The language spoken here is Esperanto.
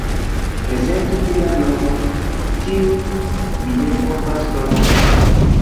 Prezentu vian nomon, kiun mi ne povas prononci